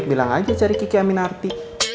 bilang aja cari kiki aminarti